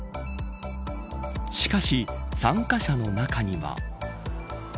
しかし、参加者の中には。